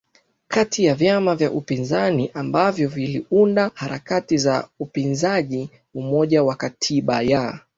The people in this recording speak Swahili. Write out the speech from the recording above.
kati ya vyama vya upinzani ambavyo viliunda harakati za upinzaji Umoja wa Katiba ya